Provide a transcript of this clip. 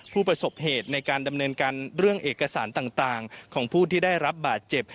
ผู้ประสบเหตุในการดำเนินการเรื่องเอกสารต่างของผู้ที่ได้รับบาดเจ็บ